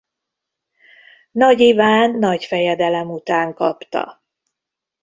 Nagy Iván nagyfejedelem után kapta.